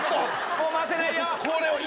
もう回せないよ。